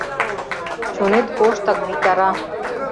Чонет воштак витара.